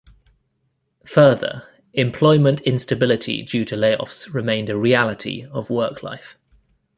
Further, employment instability due to layoffs remained a reality of work life.